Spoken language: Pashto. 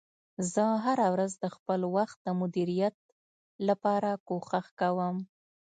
زه هره ورځ د خپل وخت د مدیریت لپاره کوښښ کوم